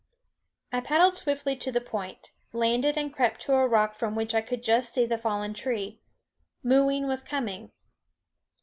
I paddled swiftly to the point, landed and crept to a rock from which I could just see the fallen tree. Mooween was coming.